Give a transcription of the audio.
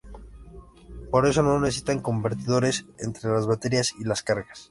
Por eso, no necesitan convertidores entre las baterías y las cargas.